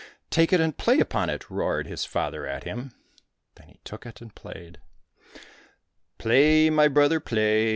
" Take it and play upon it !" roared his father at him. Then he took it and played : ailU piety CU ." Play, my brother, play.